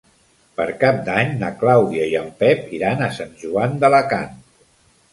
Per Cap d'Any na Clàudia i en Pep iran a Sant Joan d'Alacant.